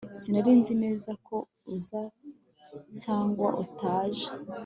Sinari nzi neza ko uza cyangwa utaje